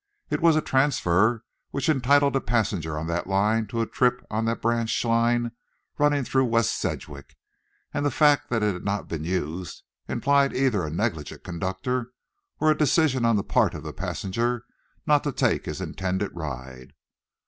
It was a transfer which entitled a passenger on that line to a trip on the branch line running through West Sedgwick, and the fact that it had not been used, implied either a negligent conductor or a decision on the part of the passenger not to take his intended ride.